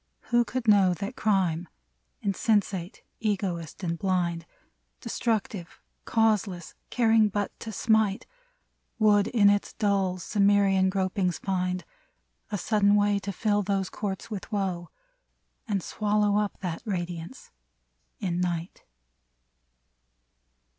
Who could know That Crime, insensate, egoist and blind, 174 BUFFALO Destructive, causeless, caring but to smite, Would in its dull Cimmerian gropings find A sudden way to fill those courts with woe, And swallow up that radiance in night